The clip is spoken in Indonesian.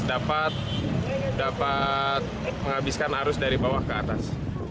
dapat menghabiskan arus dari bawah ke atas